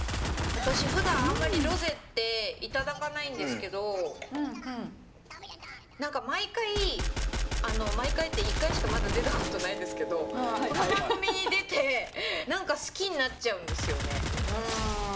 私ふだんあんまりロゼって頂かないんですけど何か毎回毎回って１回しかまだ出たことないですけどこの番組に出て「好きになっちゃう」だって。